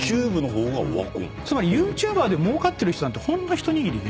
ＹｏｕＴｕｂｅｒでもうかってる人なんてほんの一握りで。